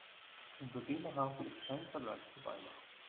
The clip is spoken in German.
Bremerhaven ist kein Vergleich zu Weimar